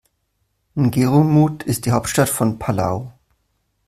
Ngerulmud ist die Hauptstadt von Palau.